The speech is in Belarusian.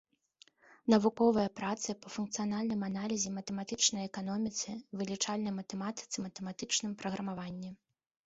Навуковыя працы па функцыянальным аналізе, матэматычнай эканоміцы, вылічальнай матэматыцы, матэматычным праграмаванні.